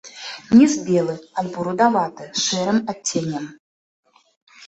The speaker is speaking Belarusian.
Ніз белы альбо рудаваты з шэрым адценнем.